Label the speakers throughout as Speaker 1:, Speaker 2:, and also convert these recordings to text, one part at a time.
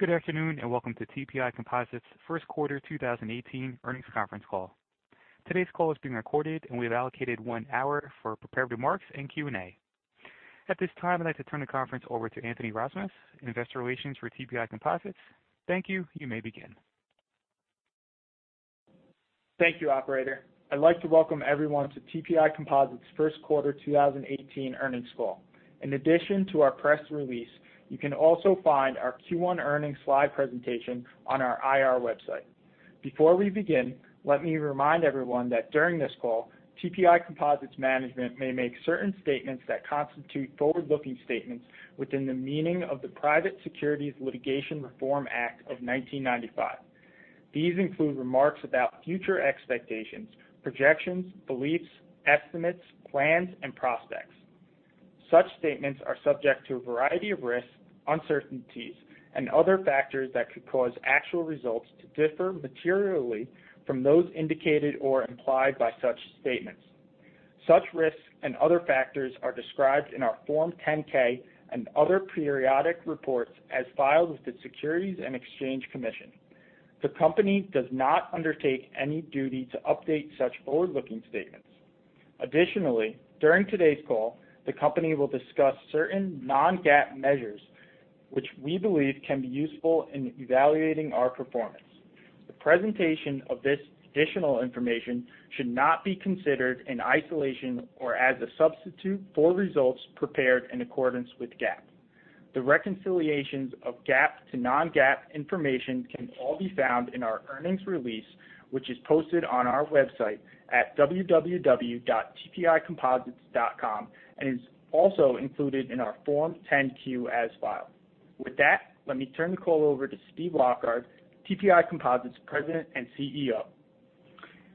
Speaker 1: Good afternoon, welcome to TPI Composites' first quarter 2018 earnings conference call. Today's call is being recorded, and we have allocated one hour for prepared remarks and Q&A. At this time, I'd like to turn the conference over to Anthony Rozmus, Investor Relations for TPI Composites. Thank you. You may begin.
Speaker 2: Thank you, operator. I'd like to welcome everyone to TPI Composites' first quarter 2018 earnings call. In addition to our press release, you can also find our Q1 earnings slide presentation on our IR website. Before we begin, let me remind everyone that during this call, TPI Composites' management may make certain statements that constitute forward-looking statements within the meaning of the Private Securities Litigation Reform Act of 1995. These include remarks about future expectations, projections, beliefs, estimates, plans, and prospects. Such statements are subject to a variety of risks, uncertainties, and other factors that could cause actual results to differ materially from those indicated or implied by such statements. Such risks and other factors are described in our Form 10-K and other periodic reports as filed with the Securities and Exchange Commission. The company does not undertake any duty to update such forward-looking statements. Additionally, during today's call, the company will discuss certain non-GAAP measures which we believe can be useful in evaluating our performance. The presentation of this additional information should not be considered in isolation or as a substitute for results prepared in accordance with GAAP. The reconciliations of GAAP to non-GAAP information can all be found in our earnings release, which is posted on our website at www.tpicomposites.com and is also included in our Form 10-Q as filed. With that, let me turn the call over to Steve Lockard, TPI Composites President and CEO.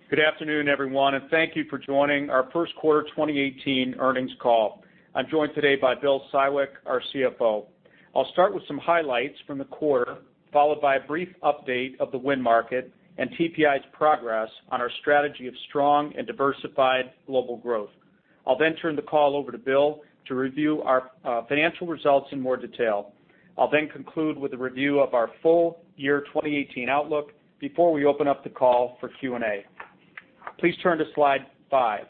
Speaker 3: Good afternoon, everyone, thank you for joining our first quarter 2018 earnings call. I'm joined today by Bill Siwek, our CFO. I'll start with some highlights from the quarter, followed by a brief update of the wind market and TPI's progress on our strategy of strong and diversified global growth. I'll turn the call over to Bill to review our financial results in more detail. I'll conclude with a review of our full year 2018 outlook before we open up the call for Q&A. Please turn to slide five.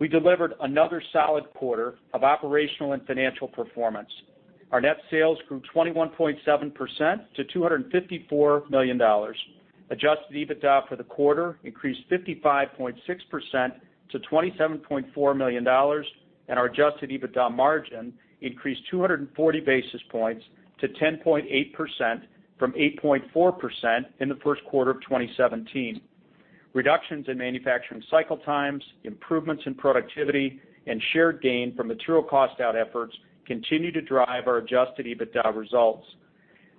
Speaker 3: We delivered another solid quarter of operational and financial performance. Our net sales grew 21.7% to $254 million. Adjusted EBITDA for the quarter increased 55.6% to $27.4 million, and our adjusted EBITDA margin increased 240 basis points to 10.8% from 8.4% in the first quarter of 2017. Reductions in manufacturing cycle times, improvements in productivity, and shared gain from material cost out efforts continue to drive our adjusted EBITDA results.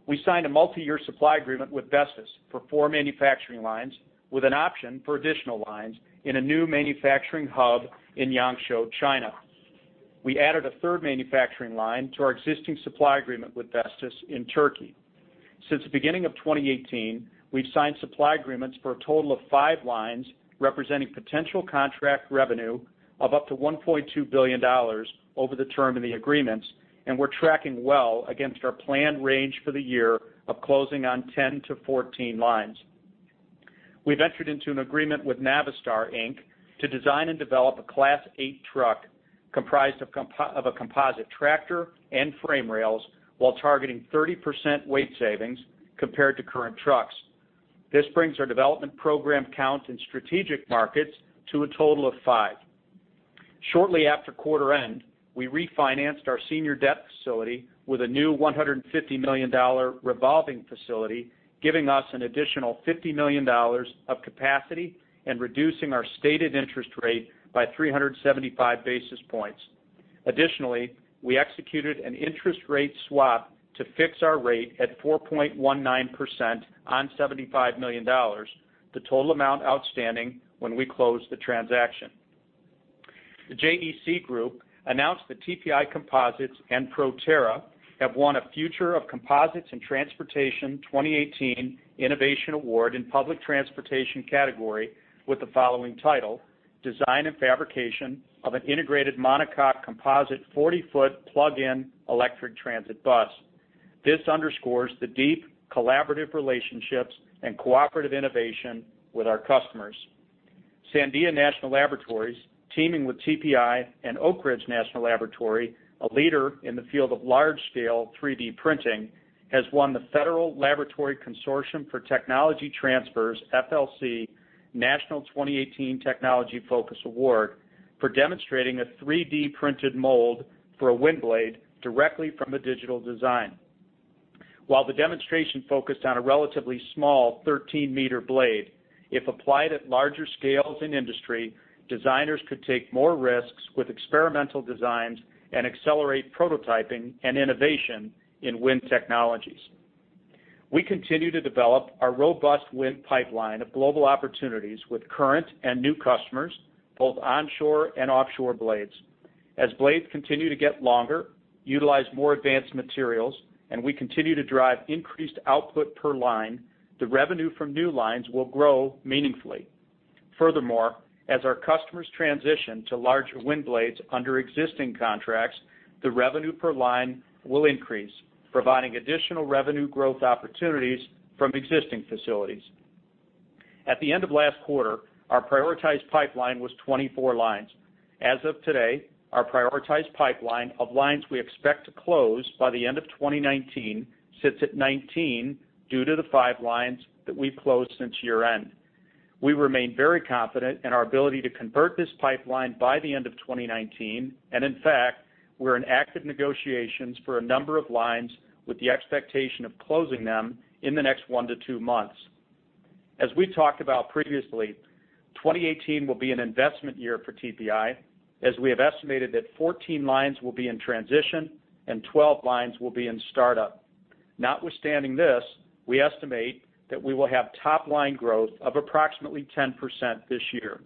Speaker 3: We signed a multi-year supply agreement with Vestas for four manufacturing lines, with an option for additional lines in a new manufacturing hub in Yangzhou, China. We added a third manufacturing line to our existing supply agreement with Vestas in Turkey. Since the beginning of 2018, we've signed supply agreements for a total of five lines, representing potential contract revenue of up to $1.2 billion over the term of the agreements, and we're tracking well against our planned range for the year of closing on 10 to 14 lines. We've entered into an agreement with Navistar, Inc. to design and develop a Class 8 truck comprised of a composite tractor and frame rails while targeting 30% weight savings compared to current trucks. This brings our development program count in strategic markets to a total of five. Shortly after quarter end, we refinanced our senior debt facility with a new $150 million revolving facility, giving us an additional $50 million of capacity and reducing our stated interest rate by 375 basis points. Additionally, we executed an interest rate swap to fix our rate at 4.19% on $75 million, the total amount outstanding when we closed the transaction. The JEC Group announced that TPI Composites and Proterra have won a Future of Composites in Transportation 2018 Innovation Award in Public Transportation category with the following title, Design and Fabrication of an Integrated Monocoque Composite 40-Foot Plug-in Electric Transit Bus. This underscores the deep collaborative relationships and cooperative innovation with our customers. Sandia National Laboratories, teaming with TPI and Oak Ridge National Laboratory, a leader in the field of large-scale 3D printing, has won the Federal Laboratory Consortium for Technology Transfer's, FLC, National 2018 Technology Focus Award for demonstrating a 3D-printed mold for a wind blade directly from a digital design. While the demonstration focused on a relatively small 13-meter blade, if applied at larger scales in industry, designers could take more risks with experimental designs and accelerate prototyping and innovation in wind technologies. We continue to develop our robust wind pipeline of global opportunities with current and new customers, both onshore and offshore blades. As blades continue to get longer, utilize more advanced materials, and we continue to drive increased output per line, the revenue from new lines will grow meaningfully. Furthermore, as our customers transition to larger wind blades under existing contracts, the revenue per line will increase, providing additional revenue growth opportunities from existing facilities. At the end of last quarter, our prioritized pipeline was 24 lines. As of today, our prioritized pipeline of lines we expect to close by the end of 2019 sits at 19 due to the five lines that we've closed since year-end. We remain very confident in our ability to convert this pipeline by the end of 2019, and in fact, we're in active negotiations for a number of lines with the expectation of closing them in the next one to two months. As we've talked about previously, 2018 will be an investment year for TPI as we have estimated that 14 lines will be in transition and 12 lines will be in startup. Notwithstanding this, we estimate that we will have top-line growth of approximately 10% this year.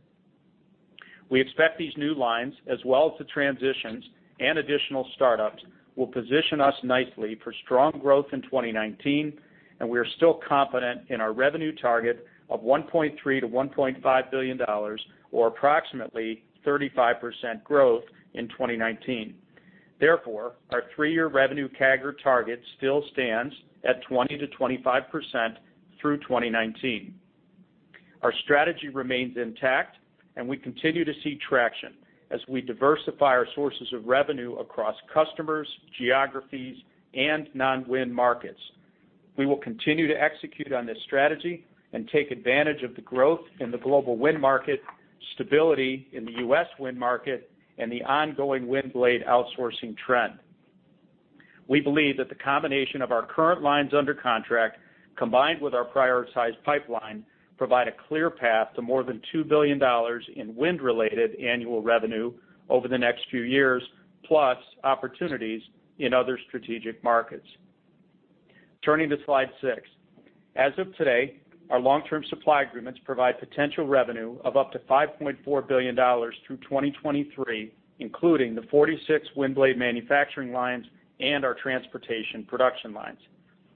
Speaker 3: We expect these new lines, as well as the transitions and additional startups, will position us nicely for strong growth in 2019. We are still confident in our revenue target of $1.3 billion-$1.5 billion, or approximately 35% growth in 2019. Our three-year revenue CAGR target still stands at 20%-25% through 2019. Our strategy remains intact, and we continue to see traction as we diversify our sources of revenue across customers, geographies, and non-wind markets. We will continue to execute on this strategy and take advantage of the growth in the global wind market, stability in the U.S. wind market, and the ongoing wind blade outsourcing trend. We believe that the combination of our current lines under contract combined with our prioritized pipeline provide a clear path to more than $2 billion in wind-related annual revenue over the next few years, plus opportunities in other strategic markets. Turning to Slide six. As of today, our long-term supply agreements provide potential revenue of up to $5.4 billion through 2023, including the 46 wind blade manufacturing lines and our transportation production lines.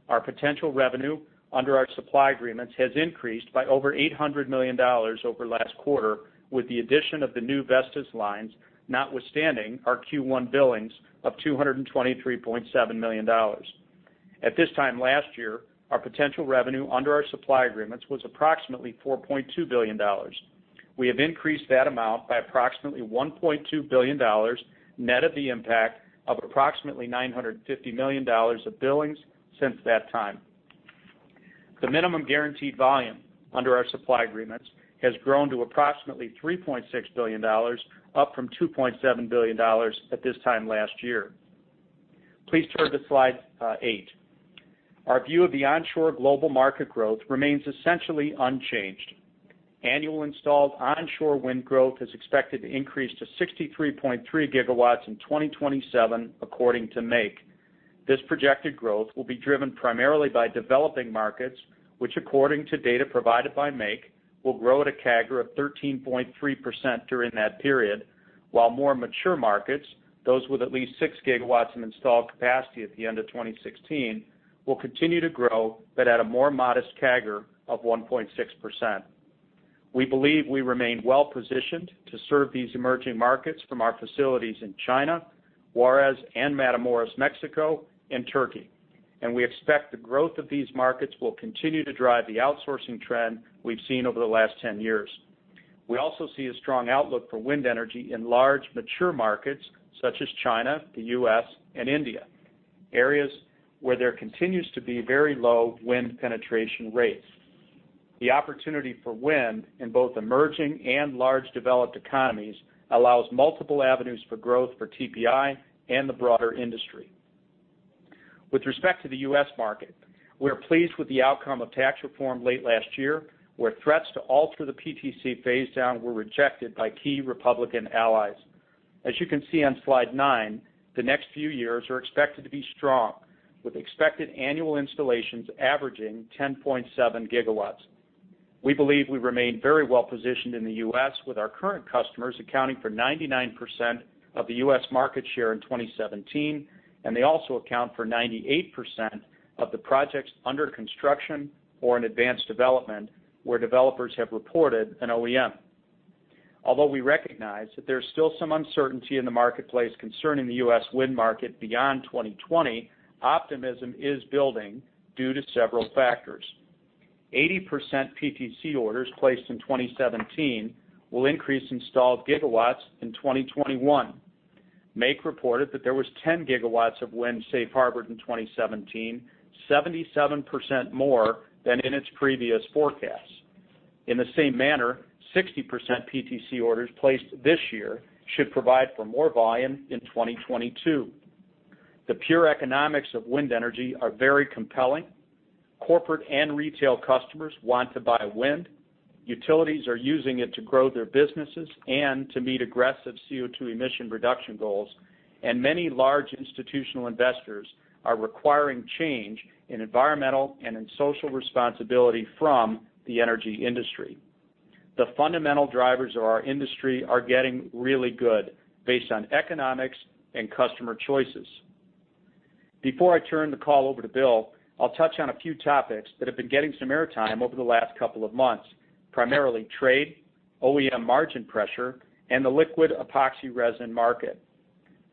Speaker 3: Our potential revenue under our supply agreements has increased by over $800 million over last quarter, with the addition of the new Vestas lines, notwithstanding our Q1 billings of $223.7 million. At this time last year, our potential revenue under our supply agreements was approximately $4.2 billion. We have increased that amount by approximately $1.2 billion, net of the impact of approximately $950 million of billings since that time. The minimum guaranteed volume under our supply agreements has grown to approximately $3.6 billion, up from $2.7 billion at this time last year. Please turn to Slide eight. Our view of the onshore global market growth remains essentially unchanged. Annual installed onshore wind growth is expected to increase to 63.3 gigawatts in 2027, according to MAKE. This projected growth will be driven primarily by developing markets, which according to data provided by MAKE, will grow at a CAGR of 13.3% during that period, while more mature markets, those with at least six gigawatts in installed capacity at the end of 2016, will continue to grow, but at a more modest CAGR of 1.6%. We believe we remain well-positioned to serve these emerging markets from our facilities in China, Juarez and Matamoros, Mexico, and Turkey. We expect the growth of these markets will continue to drive the outsourcing trend we've seen over the last 10 years. We also see a strong outlook for wind energy in large mature markets such as China, the U.S., and India, areas where there continues to be very low wind penetration rates. The opportunity for wind in both emerging and large developed economies allows multiple avenues for growth for TPI and the broader industry. With respect to the U.S. market, we are pleased with the outcome of tax reform late last year, where threats to alter the PTC phase-down were rejected by key Republican allies. You can see on Slide nine, the next few years are expected to be strong, with expected annual installations averaging 10.7 gigawatts. We believe we remain very well-positioned in the U.S. with our current customers accounting for 99% of the U.S. market share in 2017. They also account for 98% of the projects under construction or in advanced development where developers have reported an OEM. Although we recognize that there's still some uncertainty in the marketplace concerning the U.S. wind market beyond 2020, optimism is building due to several factors. 80% PTC orders placed in 2017 will increase installed gigawatts in 2021. MAKE reported that there was 10 gigawatts of wind safe harbored in 2017, 77% more than in its previous forecast. In the same manner, 60% PTC orders placed this year should provide for more volume in 2022. The pure economics of wind energy are very compelling. Corporate and retail customers want to buy wind. Utilities are using it to grow their businesses and to meet aggressive CO2 emission reduction goals. Many large institutional investors are requiring change in environmental and in social responsibility from the energy industry. The fundamental drivers of our industry are getting really good based on economics and customer choices. Before I turn the call over to Bill, I'll touch on a few topics that have been getting some air time over the last couple of months, primarily trade, OEM margin pressure, and the liquid epoxy resin market.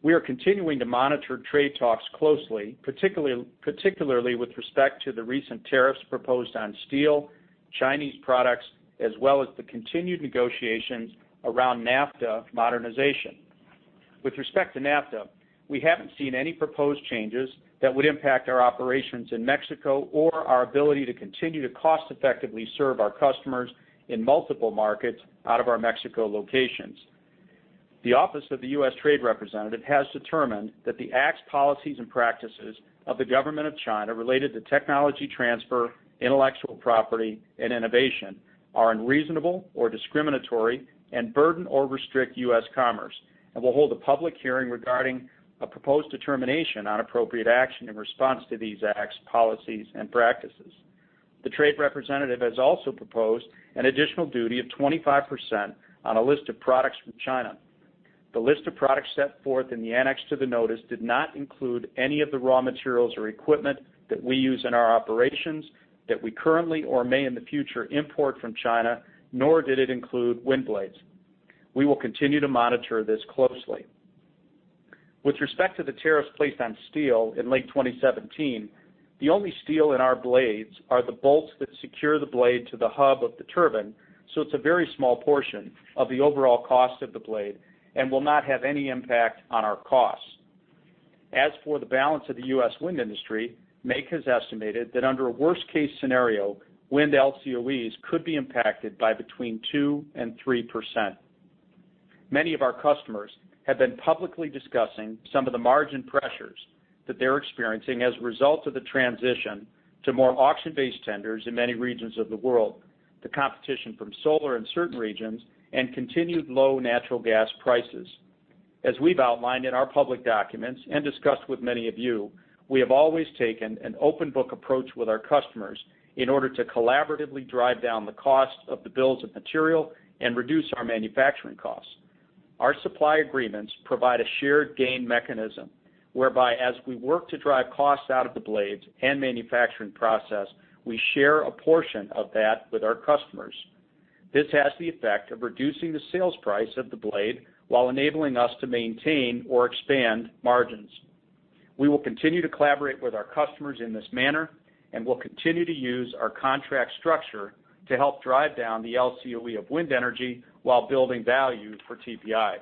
Speaker 3: We are continuing to monitor trade talks closely, particularly with respect to the recent tariffs proposed on steel, Chinese products, as well as the continued negotiations around NAFTA modernization. With respect to NAFTA, we haven't seen any proposed changes that would impact our operations in Mexico or our ability to continue to cost-effectively serve our customers in multiple markets out of our Mexico locations. The Office of the U.S. Trade Representative has determined that the acts, policies, and practices of the government of China related to technology transfer, intellectual property, and innovation are unreasonable or discriminatory and burden or restrict U.S. commerce and will hold a public hearing regarding a proposed determination on appropriate action in response to these acts, policies, and practices. The trade representative has also proposed an additional duty of 25% on a list of products from China. The list of products set forth in the annex to the notice did not include any of the raw materials or equipment that we use in our operations that we currently or may in the future import from China, nor did it include wind blades. We will continue to monitor this closely. With respect to the tariffs placed on steel in late 2017, the only steel in our blades are the bolts that secure the blade to the hub of the turbine, so it's a very small portion of the overall cost of the blade and will not have any impact on our costs. As for the balance of the U.S. wind industry, MAKE has estimated that under a worst-case scenario, wind LCOEs could be impacted by between 2% and 3%. Many of our customers have been publicly discussing some of the margin pressures that they're experiencing as a result of the transition to more auction-based tenders in many regions of the world, the competition from solar in certain regions, and continued low natural gas prices. As we've outlined in our public documents and discussed with many of you, we have always taken an open-book approach with our customers in order to collaboratively drive down the cost of the bills of material and reduce our manufacturing costs. Our supply agreements provide a shared gain mechanism, whereby as we work to drive costs out of the blades and manufacturing process, we share a portion of that with our customers. This has the effect of reducing the sales price of the blade while enabling us to maintain or expand margins. We will continue to collaborate with our customers in this manner and will continue to use our contract structure to help drive down the LCOE of wind energy while building value for TPI.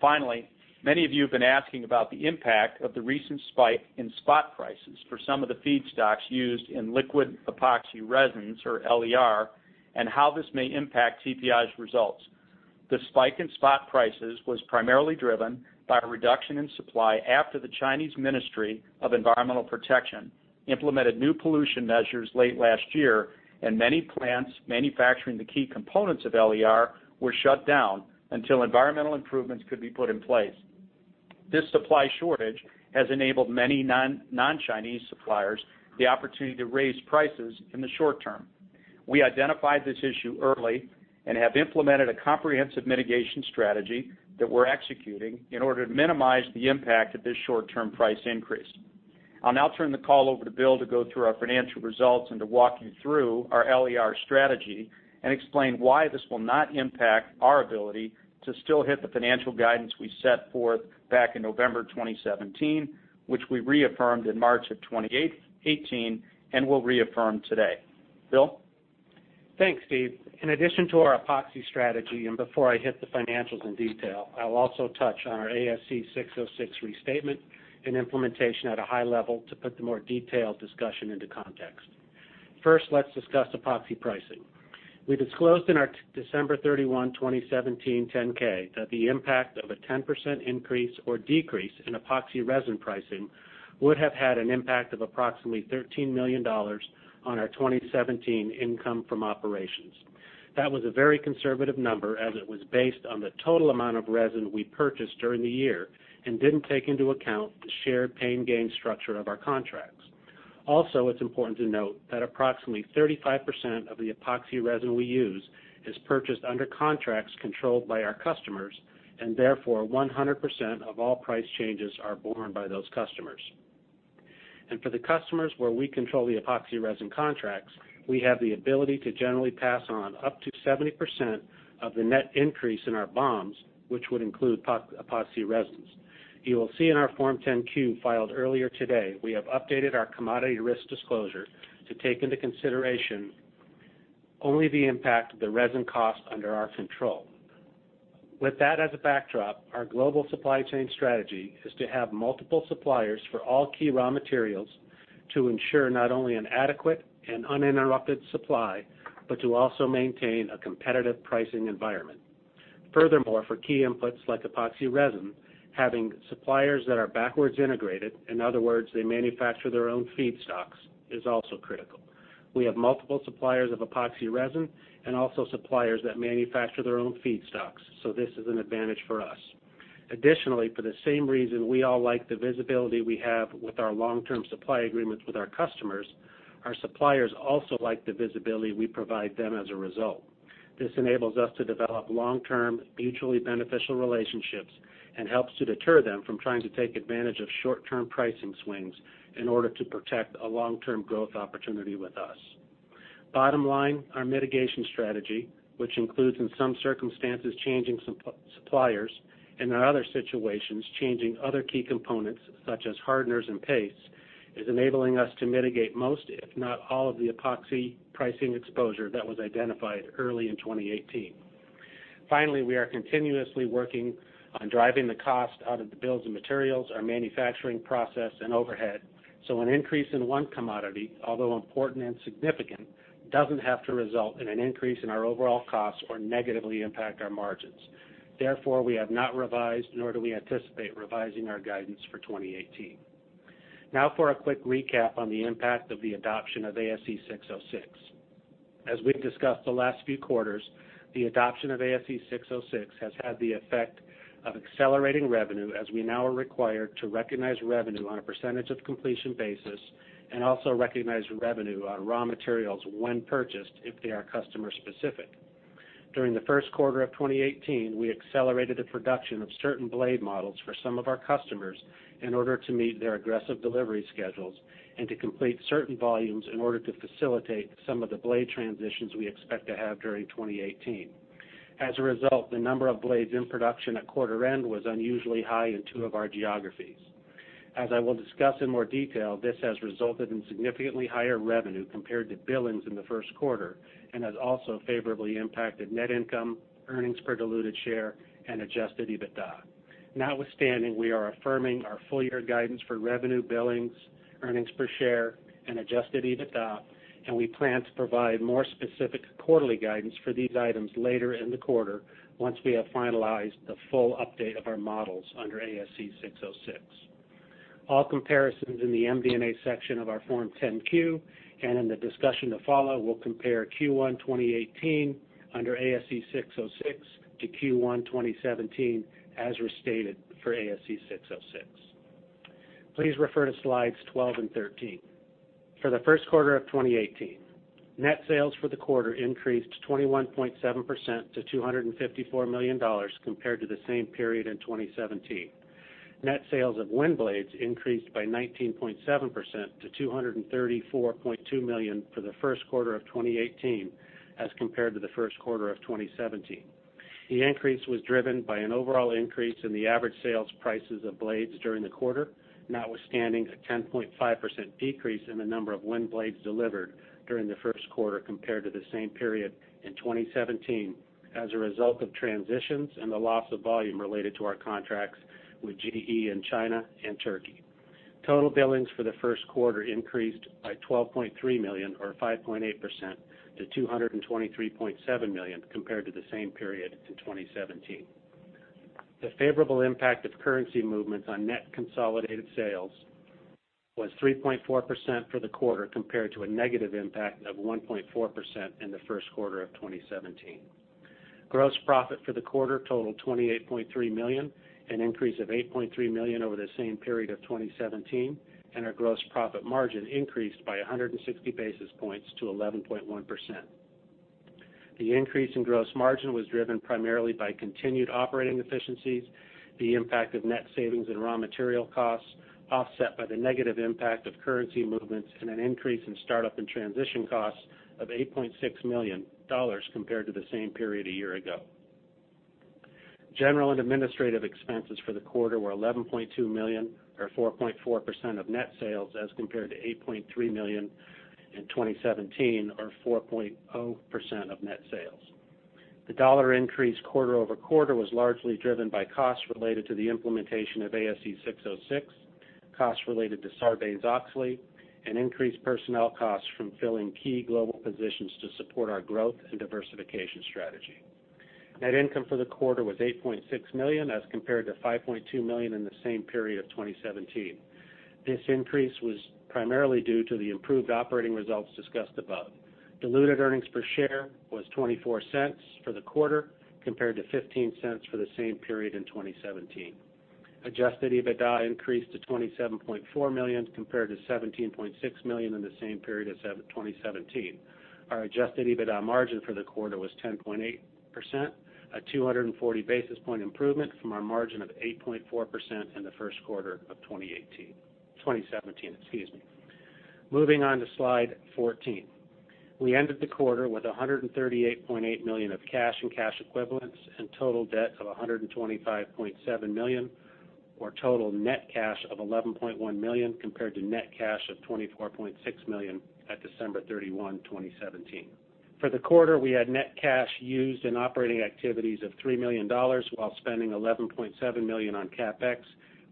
Speaker 3: Finally, many of you have been asking about the impact of the recent spike in spot prices for some of the feedstocks used in liquid epoxy resins, or LER, and how this may impact TPI's results. The spike in spot prices was primarily driven by a reduction in supply after the Chinese Ministry of Environmental Protection implemented new pollution measures late last year and many plants manufacturing the key components of LER were shut down until environmental improvements could be put in place. This supply shortage has enabled many non-Chinese suppliers the opportunity to raise prices in the short term. We identified this issue early and have implemented a comprehensive mitigation strategy that we're executing in order to minimize the impact of this short-term price increase. I'll now turn the call over to Bill to go through our financial results and to walk you through our LER strategy and explain why this will not impact our ability to still hit the financial guidance we set forth back in November 2017, which we reaffirmed in March of 2018 and will reaffirm today. Bill?
Speaker 4: Thanks, Steve. In addition to our epoxy strategy. Before I hit the financials in detail, I'll also touch on our ASC 606 restatement and implementation at a high level to put the more detailed discussion into context. First, let's discuss epoxy pricing. We disclosed in our December 31, 2017 10-K that the impact of a 10% increase or decrease in epoxy resin pricing would have had an impact of approximately $13 million on our 2017 income from operations. That was a very conservative number, as it was based on the total amount of resin we purchased during the year and didn't take into account the shared pain gain structure of our contracts. Also, it's important to note that approximately 35% of the epoxy resin we use is purchased under contracts controlled by our customers. Therefore 100% of all price changes are borne by those customers. For the customers where we control the epoxy resin contracts, we have the ability to generally pass on up to 70% of the net increase in our BOMs, which would include epoxy resins. You will see in our Form 10-Q filed earlier today, we have updated our commodity risk disclosure to take into consideration only the impact of the resin cost under our control. With that as a backdrop, our global supply chain strategy is to have multiple suppliers for all key raw materials to ensure not only an adequate and uninterrupted supply, but to also maintain a competitive pricing environment. Furthermore, for key inputs like epoxy resin, having suppliers that are backwards integrated, in other words, they manufacture their own feedstocks, is also critical. We have multiple suppliers of epoxy resin and also suppliers that manufacture their own feedstocks, this is an advantage for us. Additionally, for the same reason we all like the visibility we have with our long-term supply agreements with our customers, our suppliers also like the visibility we provide them as a result. This enables us to develop long-term, mutually beneficial relationships and helps to deter them from trying to take advantage of short-term pricing swings in order to protect a long-term growth opportunity with us. Bottom line, our mitigation strategy, which includes, in some circumstances, changing suppliers, and in other situations, changing other key components such as hardeners and pastes, is enabling us to mitigate most, if not all, of the epoxy pricing exposure that was identified early in 2018. Finally, we are continuously working on driving the cost out of the bills of materials, our manufacturing process, and overhead. An increase in one commodity, although important and significant, doesn't have to result in an increase in our overall costs or negatively impact our margins. Therefore, we have not revised, nor do we anticipate revising our guidance for 2018. Now for a quick recap on the impact of the adoption of ASC 606. As we've discussed the last few quarters, the adoption of ASC 606 has had the effect of accelerating revenue, as we now are required to recognize revenue on a percentage of completion basis and also recognize revenue on raw materials when purchased if they are customer-specific. During the first quarter of 2018, we accelerated the production of certain blade models for some of our customers in order to meet their aggressive delivery schedules and to complete certain volumes in order to facilitate some of the blade transitions we expect to have during 2018. As a result, the number of blades in production at quarter end was unusually high in two of our geographies. As I will discuss in more detail, this has resulted in significantly higher revenue compared to billings in the first quarter and has also favorably impacted net income, earnings per diluted share, and adjusted EBITDA. Notwithstanding, we are affirming our full-year guidance for revenue billings, earnings per share, and adjusted EBITDA, and we plan to provide more specific quarterly guidance for these items later in the quarter once we have finalized the full update of our models under ASC 606. All comparisons in the MD&A section of our Form 10-Q and in the discussion to follow will compare Q1 2018 under ASC 606 to Q1 2017 as restated for ASC 606. Please refer to slides 12 and 13. For the first quarter of 2018, net sales for the quarter increased 21.7% to $254 million compared to the same period in 2017. Net sales of wind blades increased by 19.7% to $234.2 million for the first quarter of 2018 as compared to the first quarter of 2017. The increase was driven by an overall increase in the average sales prices of blades during the quarter, notwithstanding a 10.5% decrease in the number of wind blades delivered during the first quarter compared to the same period in 2017, as a result of transitions and the loss of volume related to our contracts with GE in China and Turkey. Total billings for the first quarter increased by $12.3 million or 5.8% to $223.7 million compared to the same period in 2017. The favorable impact of currency movements on net consolidated sales was 3.4% for the quarter, compared to a negative impact of 1.4% in the first quarter of 2017. Gross profit for the quarter totaled $28.3 million, an increase of $8.3 million over the same period of 2017, and our gross profit margin increased by 160 basis points to 11.1%. The increase in gross margin was driven primarily by continued operating efficiencies, the impact of net savings in raw material costs, offset by the negative impact of currency movements and an increase in start-up and transition costs of $8.6 million compared to the same period a year ago. General and administrative expenses for the quarter were $11.2 million or 4.4% of net sales as compared to $8.3 million in 2017 or 4.0% of net sales. The dollar increase quarter-over-quarter was largely driven by costs related to the implementation of ASC 606, costs related to Sarbanes-Oxley, and increased personnel costs from filling key global positions to support our growth and diversification strategy. Net income for the quarter was $8.6 million as compared to $5.2 million in the same period of 2017. This increase was primarily due to the improved operating results discussed above. Diluted earnings per share was $0.24 for the quarter, compared to $0.15 for the same period in 2017. Adjusted EBITDA increased to $27.4 million, compared to $17.6 million in the same period of 2017. Our adjusted EBITDA margin for the quarter was 10.8%, a 240-basis point improvement from our margin of 8.4% in the first quarter of 2017, excuse me. Moving on to slide 14. We ended the quarter with $138.8 million of cash and cash equivalents and total debt of $125.7 million or total net cash of $11.1 million compared to net cash of $24.6 million at December 31, 2017. For the quarter, we had net cash used in operating activities of $3 million while spending $11.7 million on CapEx,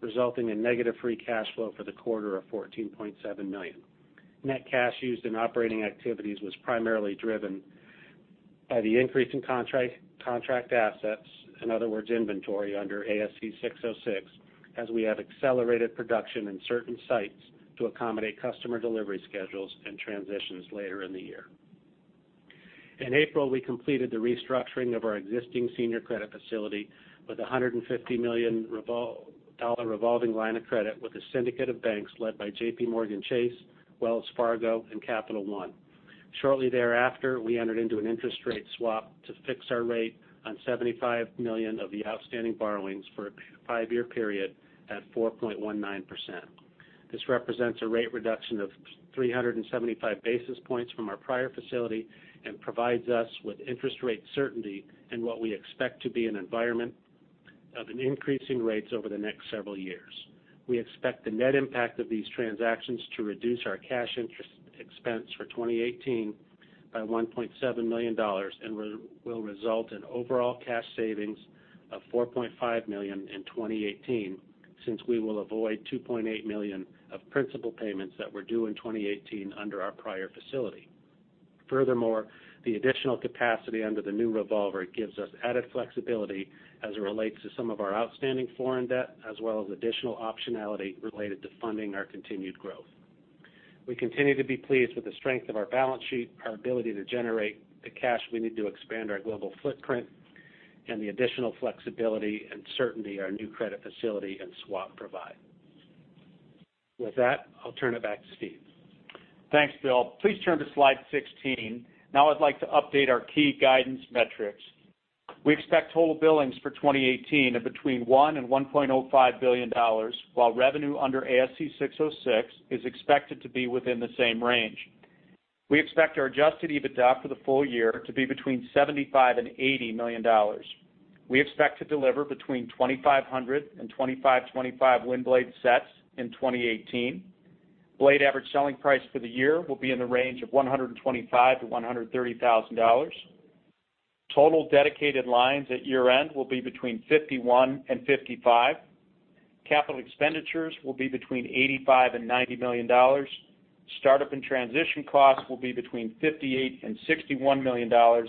Speaker 4: resulting in negative free cash flow for the quarter of $14.7 million. Net cash used in operating activities was primarily driven by the increase in contract assets, in other words, inventory under ASC 606, as we have accelerated production in certain sites to accommodate customer delivery schedules and transitions later in the year. In April, we completed the restructuring of our existing senior credit facility with a $150 million revolving line of credit with a syndicate of banks led by JPMorgan Chase, Wells Fargo, and Capital One. Shortly thereafter, we entered into an interest rate swap to fix our rate on $75 million of the outstanding borrowings for a five-year period at 4.19%. This represents a rate reduction of 375 basis points from our prior facility and provides us with interest rate certainty in what we expect to be an environment of increasing rates over the next several years. We expect the net impact of these transactions to reduce our cash interest expense for 2018 by $1.7 million and will result in overall cash savings of $4.5 million in 2018, since we will avoid $2.8 million of principal payments that were due in 2018 under our prior facility. The additional capacity under the new revolver gives us added flexibility as it relates to some of our outstanding foreign debt, as well as additional optionality related to funding our continued growth. We continue to be pleased with the strength of our balance sheet, our ability to generate the cash we need to expand our global footprint, and the additional flexibility and certainty our new credit facility and swap provide. With that, I'll turn it back to Steve.
Speaker 3: Thanks, Bill. Please turn to slide 16. I'd like to update our key guidance metrics. We expect total billings for 2018 of between $1 billion and $1.05 billion, while revenue under ASC 606 is expected to be within the same range. We expect our adjusted EBITDA for the full year to be between $75 million and $80 million. We expect to deliver between 2,500 and 2,525 wind blade sets in 2018. Blade average selling price for the year will be in the range of $125,000-$130,000. Total dedicated lines at year-end will be between 51 and 55. Capital expenditures will be between $85 million and $90 million. Start-up and transition costs will be between $58 million and $61 million.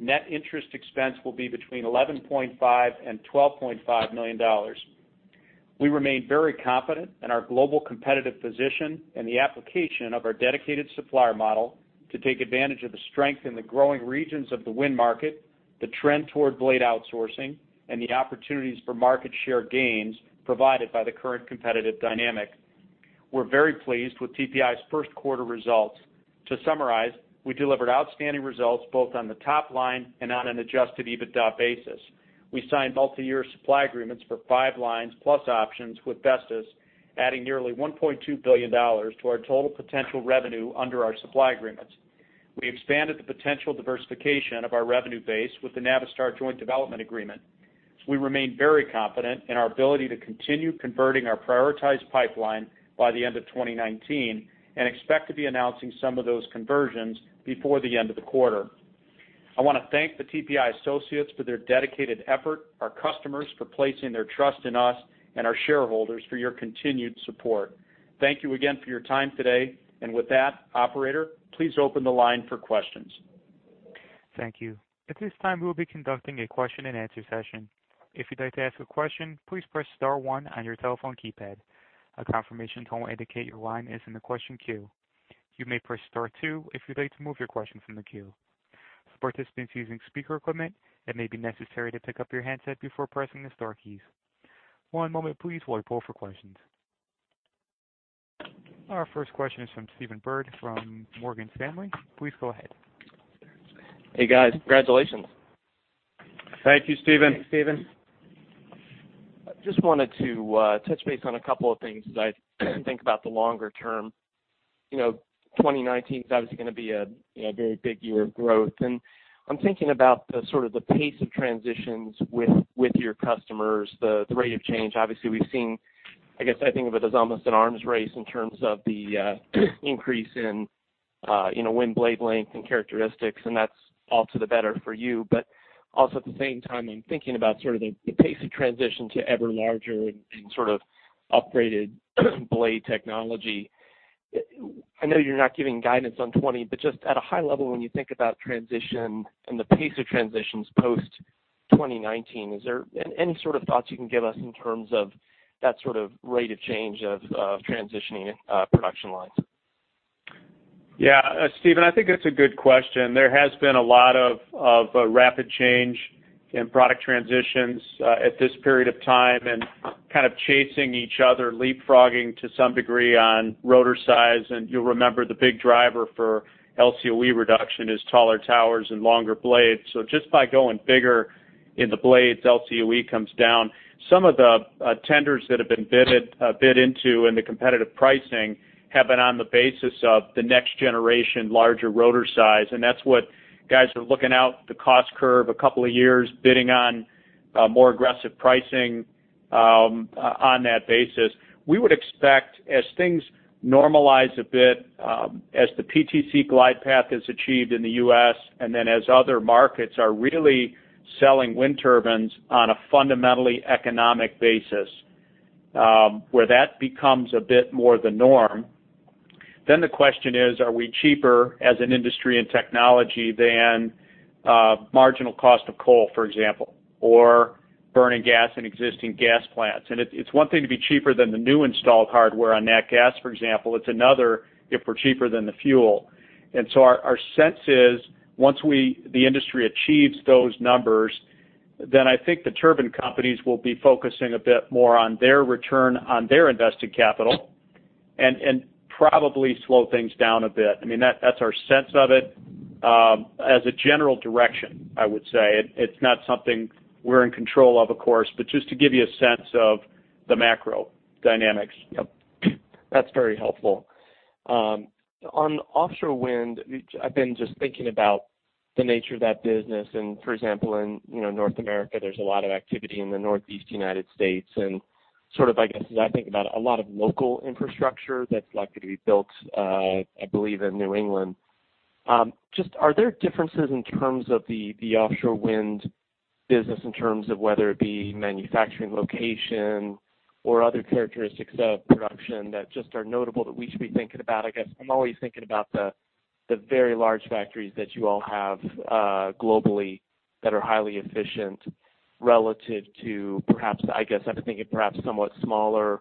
Speaker 3: Net interest expense will be between $11.5 million and $12.5 million. We remain very confident in our global competitive position and the application of our dedicated supplier model to take advantage of the strength in the growing regions of the wind market, the trend toward blade outsourcing, and the opportunities for market share gains provided by the current competitive dynamic. We're very pleased with TPI's first quarter results. To summarize, we delivered outstanding results both on the top line and on an adjusted EBITDA basis. We signed multi-year supply agreements for five lines plus options with Vestas, adding nearly $1.2 billion to our total potential revenue under our supply agreements. We expanded the potential diversification of our revenue base with the Navistar joint development agreement. We remain very confident in our ability to continue converting our prioritized pipeline by the end of 2019 and expect to be announcing some of those conversions before the end of the quarter. I want to thank the TPI associates for their dedicated effort, our customers for placing their trust in us, and our shareholders for your continued support. Thank you again for your time today. With that, operator, please open the line for questions.
Speaker 1: Thank you. At this time, we will be conducting a question-and-answer session. If you'd like to ask a question, please press star one on your telephone keypad. A confirmation tone will indicate your line is in the question queue. You may press star two if you'd like to remove your question from the queue. For participants using speaker equipment, it may be necessary to pick up your handset before pressing the star keys. One moment please while I pull for questions. Our first question is from Stephen Byrd from Morgan Stanley. Please go ahead.
Speaker 5: Hey, guys. Congratulations.
Speaker 3: Thank you, Stephen.
Speaker 4: Thanks, Stephen.
Speaker 5: I just wanted to touch base on a couple of things as I think about the longer term. 2019's obviously going to be a very big year of growth. I'm thinking about the pace of transitions with your customers, the rate of change. Obviously, we've seen, I guess I think of it as almost an arms race in terms of the increase in wind blade length and characteristics, and that's all to the better for you. Also at the same time, I'm thinking about the pace of transition to ever larger and upgraded blade technology. I know you're not giving guidance on 2020, just at a high level, when you think about transition and the pace of transitions post-2019, is there any sort of thoughts you can give us in terms of that rate of change of transitioning production lines?
Speaker 3: Stephen, I think that's a good question. There has been a lot of rapid change in product transitions at this period of time and kind of chasing each other, leapfrogging to some degree on rotor size. You'll remember the big driver for LCOE reduction is taller towers and longer blades. Just by going bigger in the blades, LCOE comes down. Some of the tenders that have been bid into in the competitive pricing have been on the basis of the next generation larger rotor size, and that's what guys are looking out the cost curve a couple of years, bidding on more aggressive pricing on that basis. We would expect as things normalize a bit, as the PTC glide path is achieved in the U.S., as other markets are really selling wind turbines on a fundamentally economic basis, where that becomes a bit more the norm. The question is: Are we cheaper as an industry in technology than marginal cost of coal, for example, or burning gas in existing gas plants? It's one thing to be cheaper than the new installed hardware on nat gas, for example. It's another if we're cheaper than the fuel. Our sense is once the industry achieves those numbers I think the turbine companies will be focusing a bit more on their return on their invested capital and probably slow things down a bit. That's our sense of it as a general direction, I would say. It's not something we're in control of course, just to give you a sense of the macro dynamics.
Speaker 5: Yep. That's very helpful. On offshore wind, I've been just thinking about the nature of that business and, for example, in North America, there's a lot of activity in the Northeast United States and sort of, I guess, as I think about a lot of local infrastructure that's likely to be built, I believe, in New England. Just are there differences in terms of the offshore wind business in terms of whether it be manufacturing location or other characteristics of production that just are notable that we should be thinking about? I guess I'm always thinking about the very large factories that you all have globally that are highly efficient relative to perhaps, I guess I've been thinking perhaps somewhat smaller,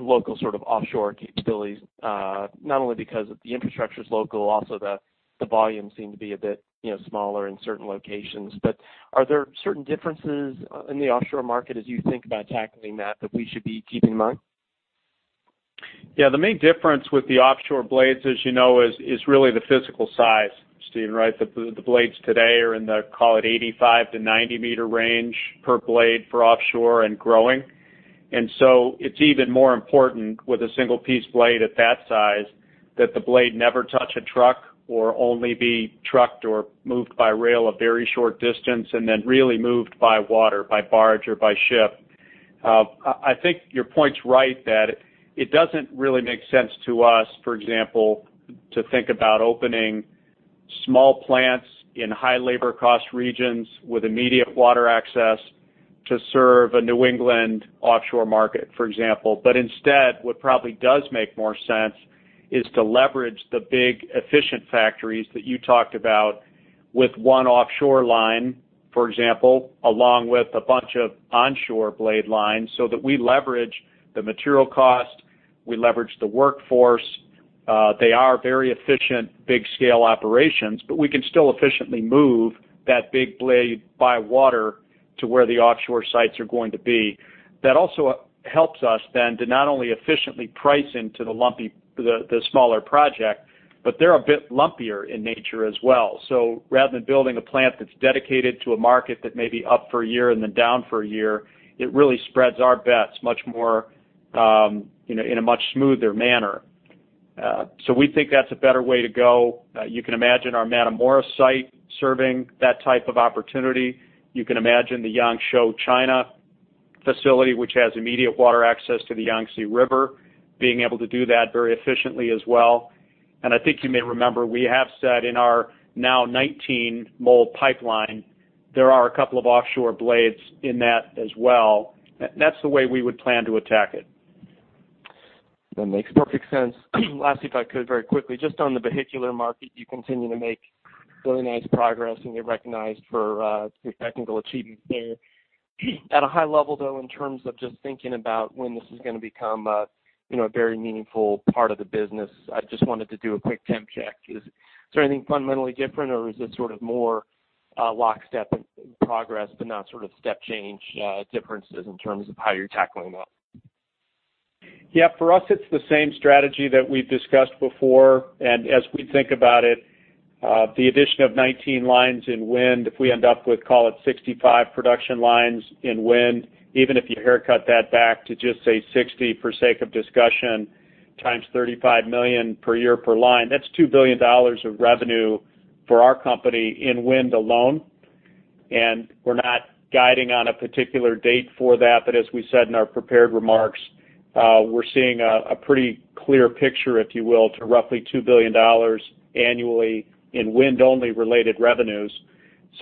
Speaker 5: local sort of offshore capabilities, not only because the infrastructure's local, also the volume seem to be a bit smaller in certain locations. Are there certain differences in the offshore market as you think about tackling that we should be keeping in mind?
Speaker 3: Yeah, the main difference with the offshore blades, as you know, is really the physical size, Stephen. The blades today are in the, call it 85 m-90 m range per blade for offshore and growing. It's even more important with a single-piece blade at that size that the blade never touch a truck or only be trucked or moved by rail a very short distance, and then really moved by water, by barge or by ship. I think your point's right that it doesn't really make sense to us, for example, to think about opening small plants in high labor cost regions with immediate water access to serve a New England offshore market, for example. Instead, what probably does make more sense is to leverage the big efficient factories that you talked about with one offshore line, for example, along with a bunch of onshore blade lines so that we leverage the material cost, we leverage the workforce. They are very efficient, big scale operations, but we can still efficiently move that big blade by water to where the offshore sites are going to be. That also helps us then to not only efficiently price into the smaller project, but they're a bit lumpier in nature as well. Rather than building a plant that's dedicated to a market that may be up for a year and then down for a year, it really spreads our bets much more in a much smoother manner. We think that's a better way to go. You can imagine our Matamoros site serving that type of opportunity. You can imagine the Yangzhou, China facility, which has immediate water access to the Yangtze River, being able to do that very efficiently as well. I think you may remember, we have said in our now 19 mold pipeline, there are a couple of offshore blades in that as well. That's the way we would plan to attack it.
Speaker 5: That makes perfect sense. Lastly, if I could very quickly, just on the vehicular market, you continue to make really nice progress and get recognized for the technical achievements there. At a high level, though, in terms of just thinking about when this is going to become a very meaningful part of the business, I just wanted to do a quick temp check. Is there anything fundamentally different or is it sort of more lockstep progress but not sort of step change differences in terms of how you're tackling that?
Speaker 3: Yeah, for us, it's the same strategy that we've discussed before. As we think about it, the addition of 19 lines in wind, if we end up with, call it 65 production lines in wind, even if you haircut that back to just say 60 for sake of discussion, times $35 million per year per line, that's $2 billion of revenue for our company in wind alone. We're not guiding on a particular date for that, but as we said in our prepared remarks, we're seeing a pretty clear picture, if you will, to roughly $2 billion annually in wind-only related revenues.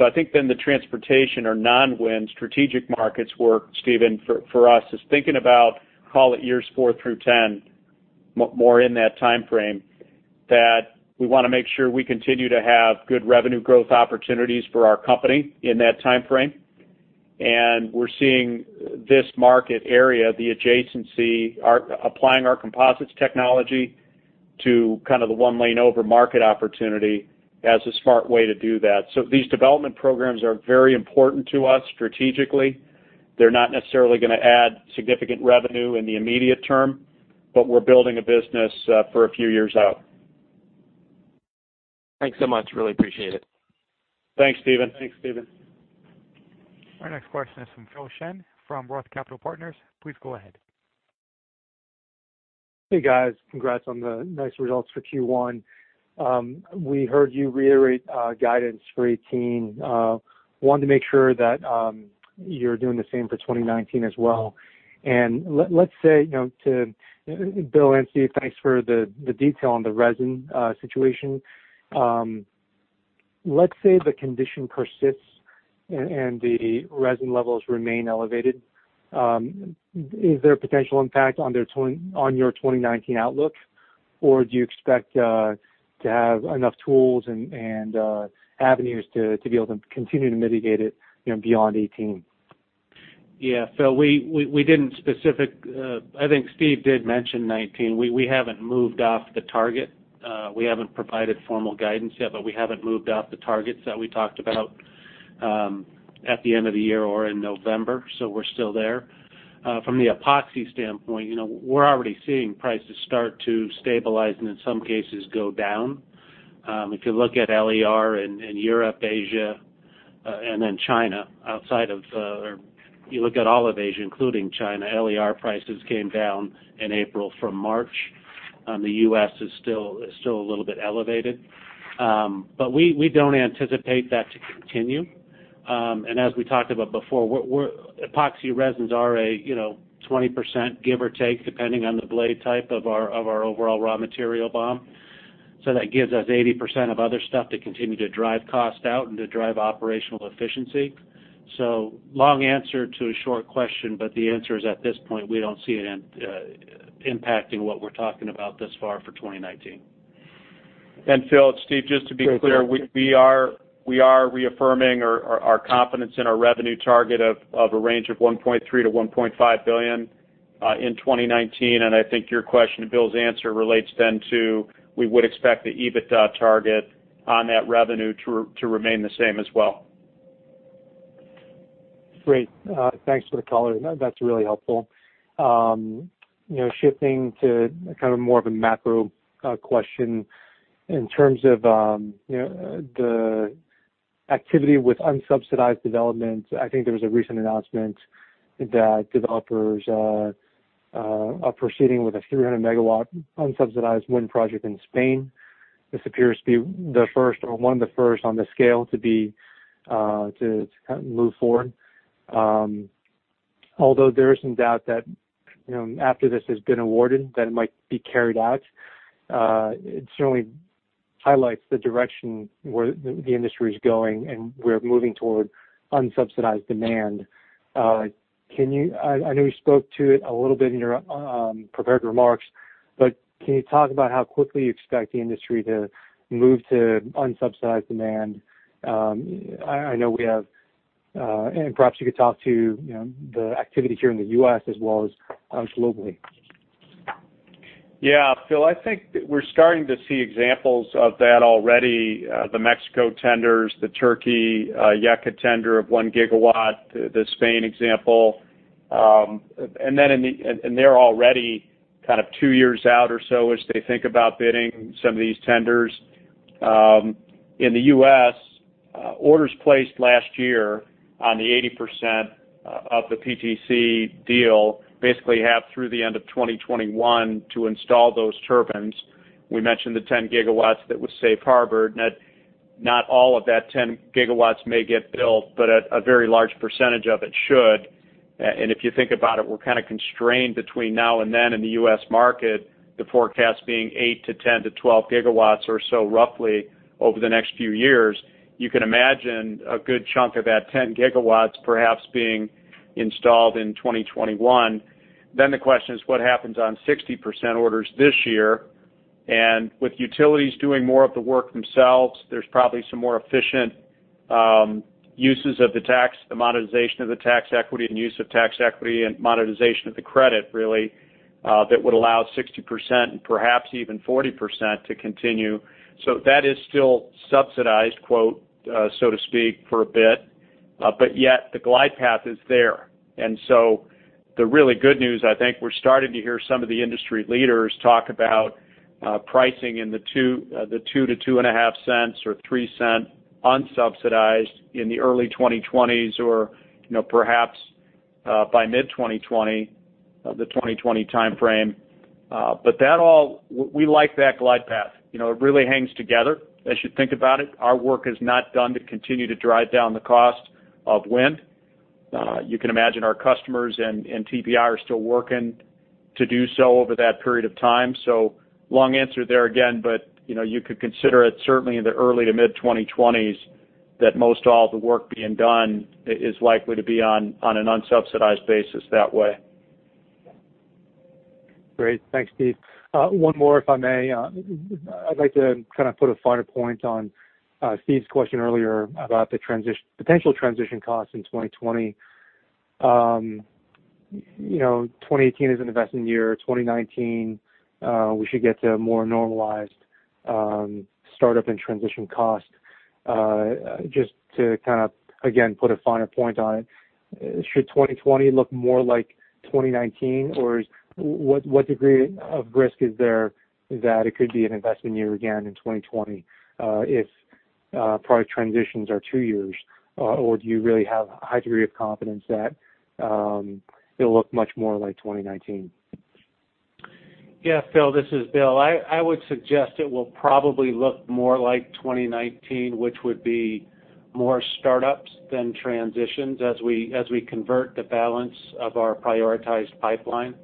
Speaker 3: I think the transportation or non-wind strategic markets work, Stephen, for us is thinking about, call it years four through 10, more in that timeframe, that we want to make sure we continue to have good revenue growth opportunities for our company in that timeframe. We're seeing this market area, the adjacency, applying our composites technology to kind of the one lane over market opportunity as a smart way to do that. These development programs are very important to us strategically. They're not necessarily going to add significant revenue in the immediate term, but we're building a business for a few years out.
Speaker 5: Thanks so much. Really appreciate it.
Speaker 3: Thanks, Stephen.
Speaker 1: Our next question is from Philip Shen from Roth Capital Partners. Please go ahead.
Speaker 6: Hey, guys. Congrats on the nice results for Q1. We heard you reiterate guidance for 2018. Wanted to make sure that you're doing the same for 2019 as well. Bill and Steve, thanks for the detail on the resin situation. Let's say the condition persists and the resin levels remain elevated. Is there a potential impact on your 2019 outlook? Or do you expect to have enough tools and avenues to be able to continue to mitigate it beyond 2018?
Speaker 4: Phil, we didn't-- I think Steve did mention 2019. We haven't moved off the target. We haven't provided formal guidance yet, but we haven't moved off the targets that we talked about at the end of the year or in November, so we're still there. From the epoxy standpoint, we're already seeing prices start to stabilize, and in some cases, go down. If you look at LER in Europe, Asia, and then China, or you look at all of Asia, including China, LER prices came down in April from March. The U.S. is still a little bit elevated. We don't anticipate that to continue. As we talked about before, epoxy resins are a 20%, give or take, depending on the blade type of our overall raw material BOM. That gives us 80% of other stuff to continue to drive cost out and to drive operational efficiency. Long answer to a short question, but the answer is, at this point, we don't see it impacting what we're talking about thus far for 2019.
Speaker 3: Phil, it's Steve. Just to be clear, we are reaffirming our confidence in our revenue target of a range of $1.3 billion to $1.5 billion in 2019. I think your question to Bill's answer relates then to, we would expect the EBITDA target on that revenue to remain the same as well.
Speaker 6: Great. Thanks for the color. That's really helpful. Shifting to more of a macro question. In terms of the activity with unsubsidized development, I think there was a recent announcement that developers are proceeding with a 300-megawatt unsubsidized wind project in Spain. This appears to be the first, or one of the first on the scale to move forward. Although there is some doubt that after this has been awarded, that it might be carried out. It certainly highlights the direction where the industry is going, and we're moving toward unsubsidized demand. I know you spoke to it a little bit in your prepared remarks, but can you talk about how quickly you expect the industry to move to unsubsidized demand? Perhaps you could talk to the activity here in the U.S. as well as globally.
Speaker 3: Yeah, Phil, I think we're starting to see examples of that already. The Mexico tenders, the Turkey YEKA tender of 1 gigawatt, the Spain example. They're already two years out or so as they think about bidding some of these tenders. In the U.S., orders placed last year on the 80% of the PTC deal basically have through the end of 2021 to install those turbines. We mentioned the 10 gigawatts that was safe harbored. Not all of that 10 gigawatts may get built, but a very large percentage of it should. If you think about it, we're kind of constrained between now and then in the U.S. market, the forecast being 8 to 10 to 12 gigawatts or so roughly over the next few years. You can imagine a good chunk of that 10 gigawatts perhaps being installed in 2021. The question is what happens on 60% orders this year? With utilities doing more of the work themselves, there's probably some more efficient uses of the tax, the monetization of the tax equity and use of tax equity, and monetization of the credit, really, that would allow 60% and perhaps even 40% to continue. That is still subsidized, quote, so to speak, for a bit, but yet the glide path is there. The really good news, I think we're starting to hear some of the industry leaders talk about pricing in the $0.02 to $0.025 or $0.03 unsubsidized in the early 2020s or perhaps by mid-2020, of the 2020 timeframe. We like that glide path. It really hangs together as you think about it. Our work is not done to continue to drive down the cost of wind. You can imagine our customers and TPI are still working to do so over that period of time. Long answer there again, but you could consider it certainly in the early to mid-2020s that most all the work being done is likely to be on an unsubsidized basis that way.
Speaker 6: Great. Thanks, Steve. One more, if I may. I'd like to put a finer point on Steve's question earlier about the potential transition cost in 2020. 2018 is an investment year. 2019, we should get to a more normalized startup and transition cost. Just to, again, put a finer point on it, should 2020 look more like 2019? Or what degree of risk is there that it could be an investment year again in 2020 if product transitions are two years? Or do you really have a high degree of confidence that it will look much more like 2019?
Speaker 4: Yeah, Phil, this is Bill. I would suggest it will probably look more like 2019, which would be more startups than transitions as we convert the balance of our prioritized pipeline.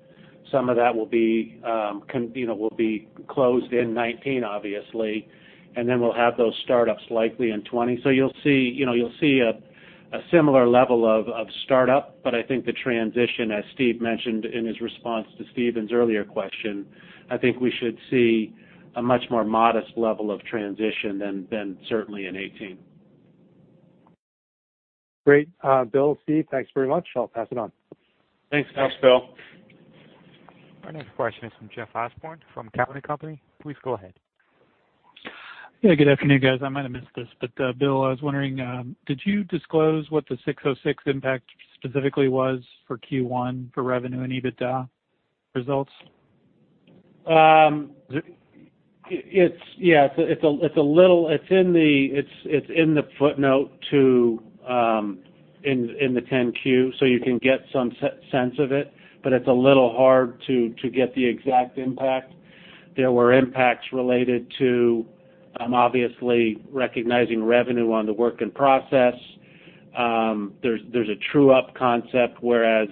Speaker 4: Some of that will be closed in 2019, obviously, and then we will have those startups likely in 2020. You will see a similar level of startup, but I think the transition, as Steve mentioned in his response to Stephen's earlier question, I think we should see a much more modest level of transition than certainly in 2018.
Speaker 6: Great. Bill, Steve, thanks very much. I will pass it on.
Speaker 3: Thanks.
Speaker 6: Thanks, Bill.
Speaker 1: Our next question is from Jeff Osborne from Cowen Company. Please go ahead.
Speaker 7: Yeah, good afternoon, guys. I might have missed this, but Bill, I was wondering, did you disclose what the 606 impact specifically was for Q1 for revenue and EBITDA results?
Speaker 4: Yes. It's in the footnote in the 10-Q, so you can get some sense of it, but it's a little hard to get the exact impact. There were impacts related to, obviously, recognizing revenue on the work in process. There's a true-up concept, whereas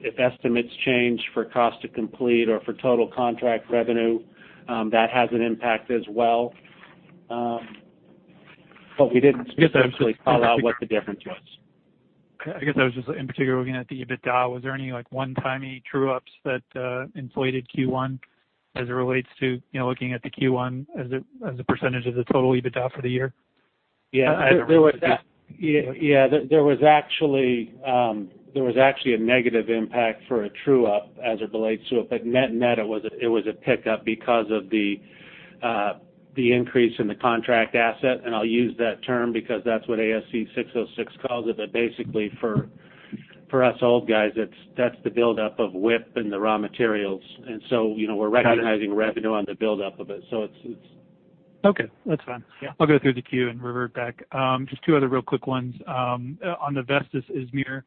Speaker 4: if estimates change for cost to complete or for total contract revenue, that has an impact as well. We didn't specifically call out what the difference was.
Speaker 7: Okay. I guess I was just, in particular, looking at the EBITDA. Was there any one-time true-ups that inflated Q1 as it relates to looking at the Q1 as a percentage of the total EBITDA for the year?
Speaker 4: Net, it was a pickup because of the increase in the contract asset, and I'll use that term because that's what ASC 606 calls it, but basically for us old guys, that's the buildup of WIP and the raw materials. We're recognizing revenue on the buildup of it.
Speaker 7: Okay, that's fine.
Speaker 4: Yeah.
Speaker 7: I'll go through the queue and revert back. Just two other real quick ones. On the Vestas Izmir,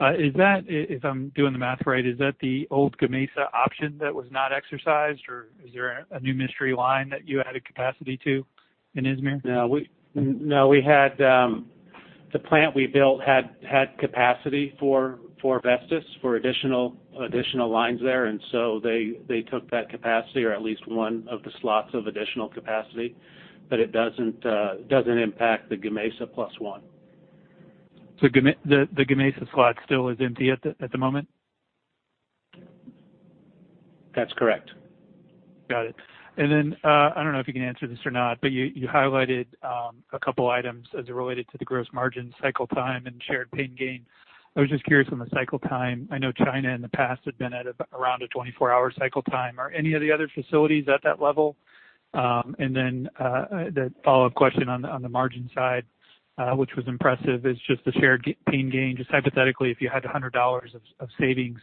Speaker 7: if I'm doing the math right, is that the old Gamesa option that was not exercised, or is there a new mystery line that you added capacity to in Izmir?
Speaker 4: No. The plant we built had capacity for Vestas for additional lines there. They took that capacity or at least one of the slots of additional capacity, it doesn't impact the Gamesa plus one.
Speaker 7: The Gamesa slot still is empty at the moment?
Speaker 4: That's correct.
Speaker 7: Got it. I don't know if you can answer this or not, but you highlighted a couple items as it related to the gross margin cycle time and shared pain gain. I was just curious on the cycle time. I know China in the past had been at around a 24-hour cycle time. Are any of the other facilities at that level? The follow-up question on the margin side, which was impressive, is just the shared pain gain. Just hypothetically, if you had $100 of savings,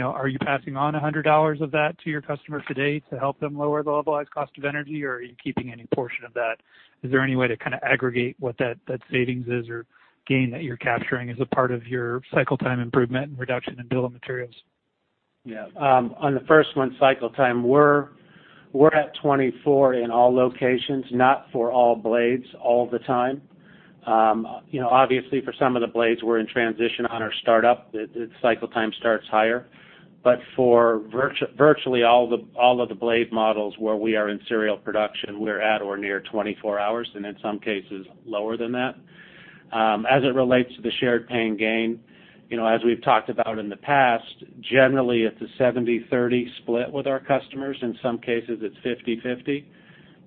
Speaker 7: are you passing on $100 of that to your customer today to help them lower the LCOE, or are you keeping any portion of that? Is there any way to aggregate what that savings is or gain that you're capturing as a part of your cycle time improvement and reduction in Bill of Materials?
Speaker 4: Yeah. On the first one, cycle time, we're at 24 in all locations, not for all blades all the time. Obviously, for some of the blades, we're in transition on our startup. The cycle time starts higher. For virtually all of the blade models where we are in serial production, we're at or near 24 hours, and in some cases lower than that. As it relates to the shared pain gain, as we've talked about in the past, generally it's a 70/30 split with our customers. In some cases, it's 50/50.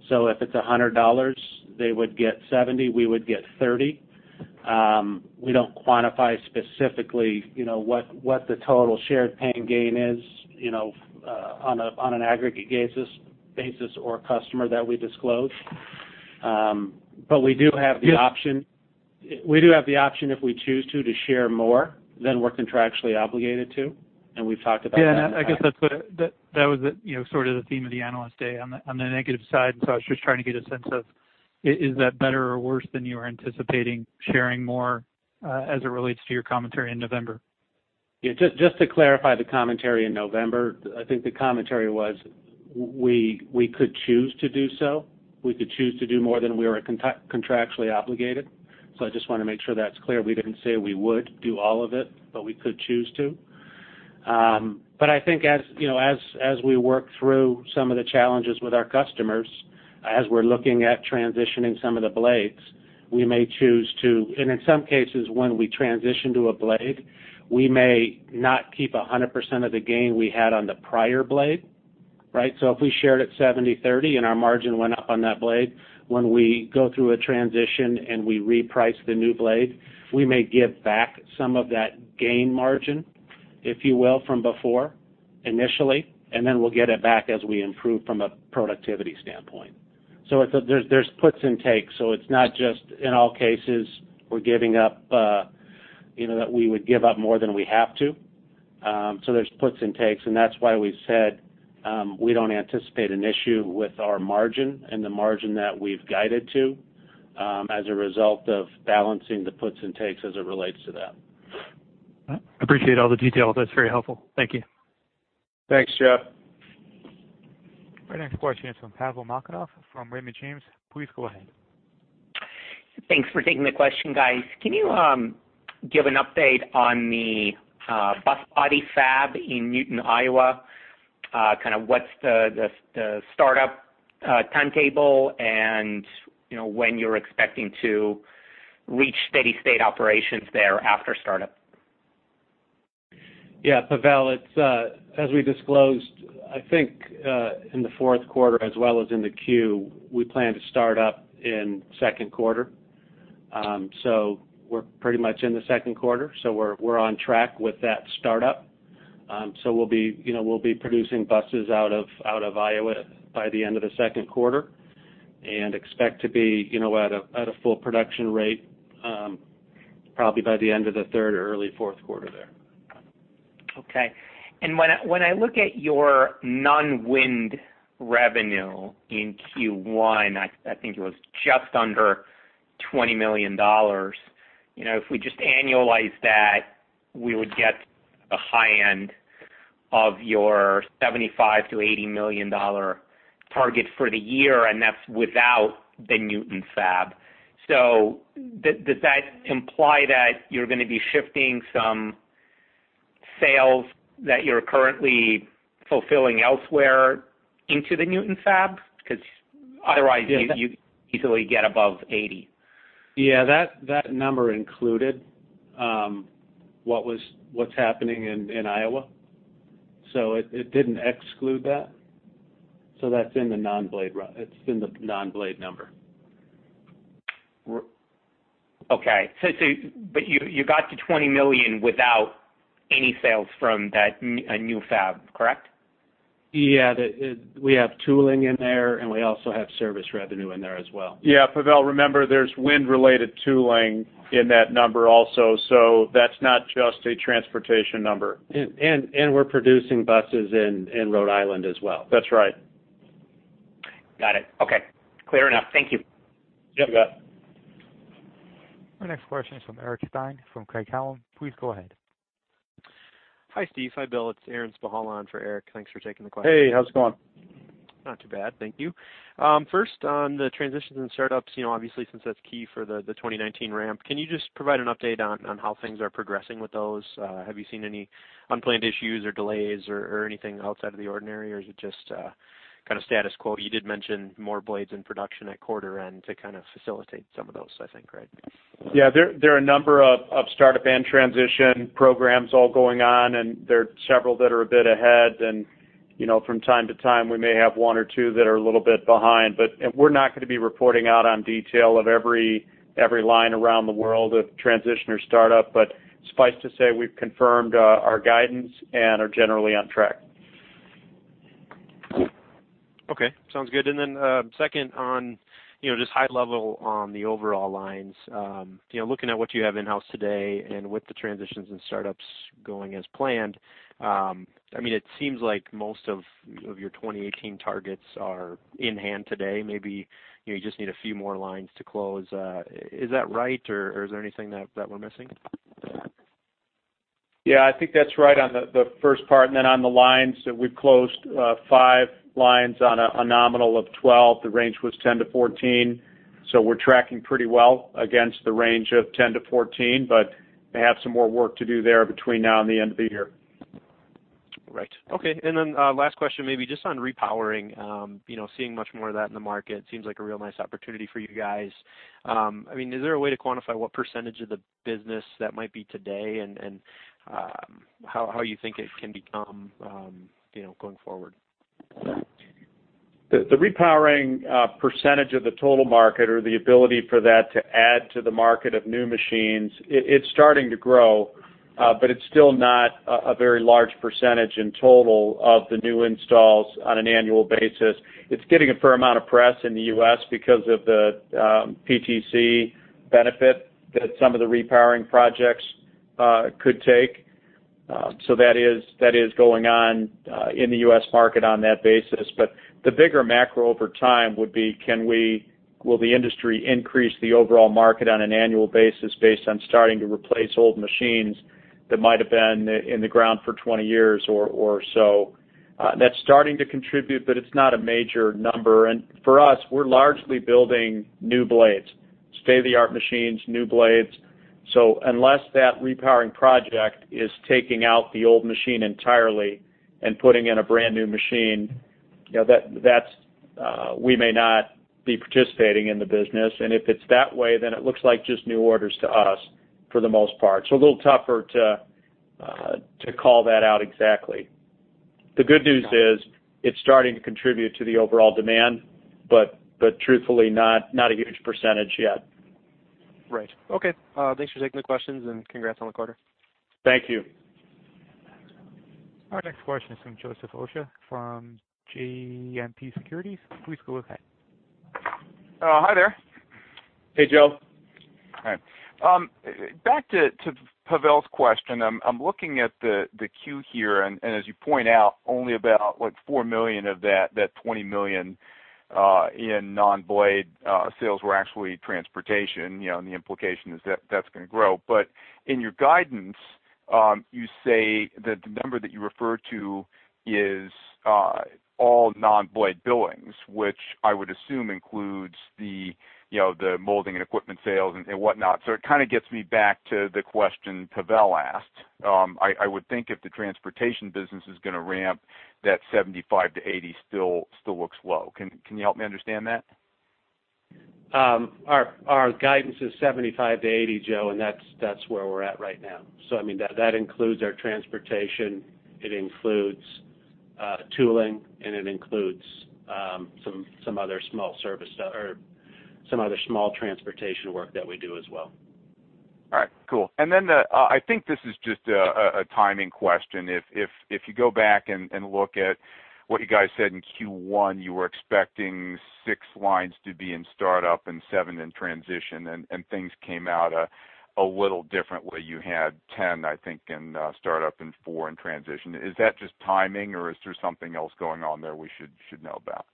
Speaker 4: If it's $100, they would get 70, we would get 30. We don't quantify specifically what the total shared pain gain is on an aggregate basis or a customer that we disclose. We do have the option if we choose to share more than we're contractually obligated to, and we've talked about that.
Speaker 7: I guess that was the theme of the Analyst Day on the negative side. I was just trying to get a sense of is that better or worse than you were anticipating sharing more, as it relates to your commentary in November?
Speaker 4: Yeah, just to clarify the commentary in November, I think the commentary was we could choose to do so. We could choose to do more than we were contractually obligated. I just want to make sure that's clear. We didn't say we would do all of it, but we could choose to. I think as we work through some of the challenges with our customers, as we're looking at transitioning some of the blades, and in some cases, when we transition to a blade, we may not keep 100% of the gain we had on the prior blade. Right? If we shared at 70/30 and our margin went up on that blade, when we go through a transition and we reprice the new blade, we may give back some of that gain margin, if you will, from before initially. Then we'll get it back as we improve from a productivity standpoint. There's puts and takes. It's not just in all cases, that we would give up more than we have to. There's puts and takes, and that's why we said we don't anticipate an issue with our margin and the margin that we've guided to as a result of balancing the puts and takes as it relates to that.
Speaker 7: All right. Appreciate all the details. That's very helpful. Thank you.
Speaker 4: Thanks, Jeff.
Speaker 1: Our next question is from Pavel Molchanov from Raymond James. Please go ahead.
Speaker 8: Thanks for taking the question, guys. Can you give an update on the bus body fab in Newton, Iowa? What's the startup timetable and when you're expecting to reach steady state operations there after startup?
Speaker 4: Yeah, Pavel, as we disclosed, I think, in the fourth quarter as well as in the Q, we plan to start up in second quarter. We're pretty much in the second quarter, we're on track with that start-up. We'll be producing buses out of Iowa by the end of the second quarter and expect to be at a full production rate probably by the end of the third or early fourth quarter there.
Speaker 8: Okay. When I look at your non-wind revenue in Q1, I think it was just under $20 million. If we just annualize that, we would get the high end of your $75 million-$80 million target for the year, and that's without the Newton fab. Does that imply that you're going to be shifting some sales that you're currently fulfilling elsewhere into the Newton fab? Because otherwise-
Speaker 4: Yeah, that-
Speaker 8: you'd easily get above $80 million.
Speaker 4: Yeah, that number included what's happening in Iowa. It didn't exclude that. That's in the non-blade number.
Speaker 8: Okay. You got to $20 million without any sales from that new fab, correct?
Speaker 4: Yeah. We have tooling in there, and we also have service revenue in there as well.
Speaker 3: Yeah, Pavel, remember there's wind-related tooling in that number also. That's not just a transportation number.
Speaker 4: We're producing buses in Rhode Island as well.
Speaker 3: That's right.
Speaker 8: Got it. Okay. Clear enough. Thank you.
Speaker 4: Yep. You bet.
Speaker 1: Our next question is from Aaron Spychalla from Craig-Hallum. Please go ahead.
Speaker 9: Hi, Steve. Hi, Bill. It's Aaron Spychalla for Eric. Thanks for taking the question.
Speaker 3: Hey, how's it going?
Speaker 9: Not too bad. Thank you. First on the transitions and startups, obviously since that's key for the 2019 ramp, can you just provide an update on how things are progressing with those? Have you seen any unplanned issues or delays or anything outside of the ordinary, or is it just kind of status quo? You did mention more blades in production at quarter end to kind of facilitate some of those, I think, right?
Speaker 3: Yeah, there are a number of startup and transition programs all going on, there are several that are a bit ahead. From time to time we may have one or two that are a little bit behind. We're not going to be reporting out on detail of every line around the world of transition or startup. Suffice to say, we've confirmed our guidance and are generally on track.
Speaker 9: Okay. Sounds good. Second on just high level on the overall lines. Looking at what you have in-house today and with the transitions and startups going as planned, it seems like most of your 2018 targets are in hand today. Maybe you just need a few more lines to close. Is that right, or is there anything that we're missing?
Speaker 3: Yeah, I think that's right on the first part, on the lines, we've closed five lines on a nominal of 12. The range was 10-14. We're tracking pretty well against the range of 10-14, but may have some more work to do there between now and the end of the year.
Speaker 9: Right. Okay. Last question, maybe just on repowering, seeing much more of that in the market seems like a real nice opportunity for you guys. Is there a way to quantify what % of the business that might be today and how you think it can become going forward?
Speaker 3: The repowering % of the total market or the ability for that to add to the market of new machines, it's starting to grow, but it's still not a very large % in total of the new installs on an annual basis. It's getting a fair amount of press in the U.S. because of the PTC benefit that some of the repowering projects could take. That is going on in the U.S. market on that basis. The bigger macro over time would be, will the industry increase the overall market on an annual basis based on starting to replace old machines that might've been in the ground for 20 years or so? That's starting to contribute, but it's not a major number. For us, we're largely building new blades, state-of-the-art machines, new blades. Unless that repowering project is taking out the old machine entirely and putting in a brand-new machine, we may not be participating in the business. If it's that way, then it looks like just new orders to us for the most part. A little tougher to call that out exactly. The good news is it's starting to contribute to the overall demand, but truthfully not a huge % yet.
Speaker 9: Right. Okay. Thanks for taking the questions, and congrats on the quarter.
Speaker 3: Thank you.
Speaker 1: Our next question is from Joseph Osha from JMP Securities. Please go ahead.
Speaker 10: Hi there.
Speaker 3: Hey, Joe.
Speaker 10: Hi. Back to Pavel's question. I'm looking at the Q here, as you point out, only about $4 million of that $20 million in non-blade sales were actually transportation, and the implication is that that's going to grow. In your guidance, you say that the number that you refer to is all non-blade billings, which I would assume includes the molding and equipment sales and whatnot. It kind of gets me back to the question Pavel asked. I would think if the transportation business is going to ramp that $75 million-$80 million still looks low. Can you help me understand that?
Speaker 4: Our guidance is $75 million-$80 million, Joe, and that's where we're at right now. That includes our transportation, it includes tooling, and it includes some other small transportation work that we do as well.
Speaker 10: All right, cool. I think this is just a timing question. If you go back and look at what you guys said in Q1, you were expecting six lines to be in startup and seven in transition, and things came out a little differently. You had 10, I think, in startup and four in transition. Is that just timing, or is there something else going on there we should know about?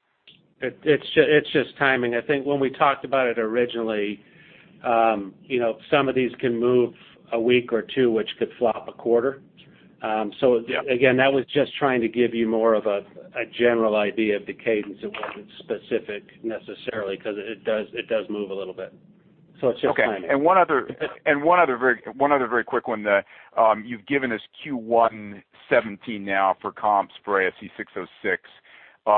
Speaker 4: It's just timing. I think when we talked about it originally, some of these can move a week or two, which could flop a quarter. Again, that was just trying to give you more of a general idea of the cadence. It wasn't specific necessarily, because it does move a little bit. It's just timing.
Speaker 10: Okay. One other very quick one. You've given us Q1 2017 now for comps for ASC 606.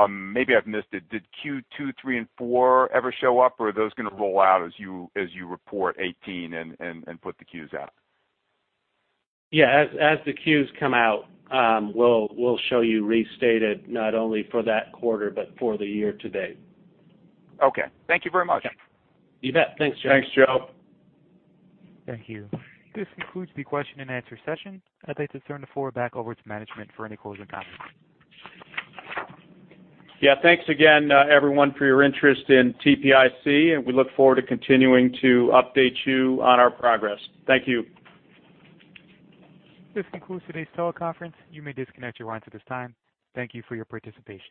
Speaker 10: Maybe I've missed it. Did Q2, three, and four ever show up, or are those going to roll out as you report 2018 and put the Qs out?
Speaker 4: Yeah. As the Qs come out, we'll show you restated not only for that quarter, but for the year to date.
Speaker 10: Okay. Thank you very much.
Speaker 4: You bet. Thanks, Joe.
Speaker 3: Thanks, Joe.
Speaker 1: Thank you. This concludes the question and answer session. I'd like to turn the floor back over to management for any closing comments.
Speaker 4: Yeah. Thanks again, everyone, for your interest in TPIC. We look forward to continuing to update you on our progress. Thank you.
Speaker 1: This concludes today's teleconference. You may disconnect your lines at this time. Thank you for your participation.